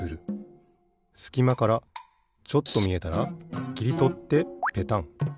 すきまからちょっとみえたらきりとってペタン。